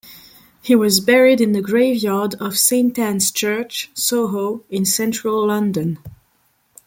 He was buried in the graveyard of Saint Anne's Church, Soho in central London.